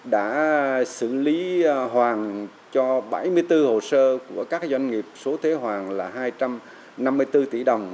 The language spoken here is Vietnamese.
đã xử lý hoàn cho bảy mươi bốn hồ sơ của các doanh nghiệp số thuế hoàn là hai trăm năm mươi bốn tỷ đồng